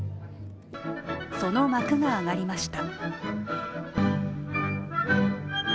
その幕が上がりました。